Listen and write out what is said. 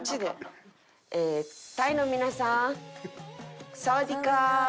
タイの皆さん。